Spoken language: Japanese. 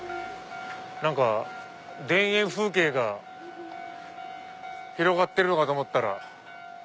何か田園風景が広がってるのかと思ったら。